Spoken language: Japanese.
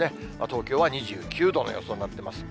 東京は２９度の予想になってます。